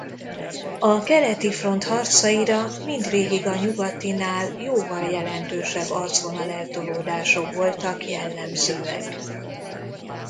A keleti front harcaira mindvégig a nyugatinál jóval jelentősebb arcvonal-eltolódások voltak jellemzőek.